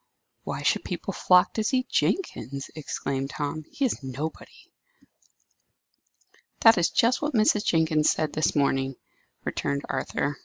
"Why should people flock to see Jenkins?" exclaimed Tom. "He is nobody." "That is just what Mrs. Jenkins said this morning," returned Arthur.